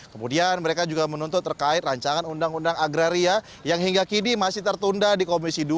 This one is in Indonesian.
kemudian mereka juga menuntut terkait rancangan undang undang agraria yang hingga kini masih tertunda di komisi dua